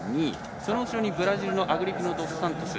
その後ろにブラジルのアグリピノドスサントス。